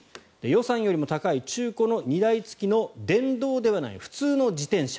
予算よりも高い中古の荷台付きの電動ではない普通の自転車